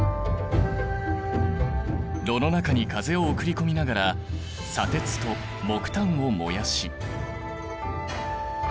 炉の中に風を送り込みながら砂鉄と木炭を燃やし。